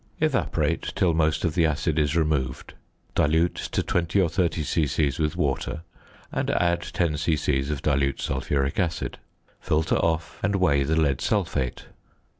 Evaporate till most of the acid is removed; dilute to 20 or 30 c.c. with water, and add 10 c.c. of dilute sulphuric acid. Filter off, and weigh the lead sulphate.